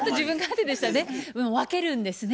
分けるんですね。